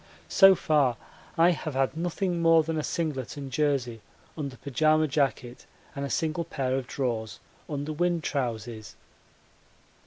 So far I have had nothing more than a singlet and jersey under pyjama jacket and a single pair of drawers under wind trousers.